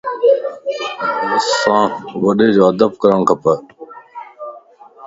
اسانک وڏيءَ جو ادب ڪرڻ کپ